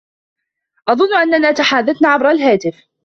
أظن أننا تحادثنا عبر الهاتف.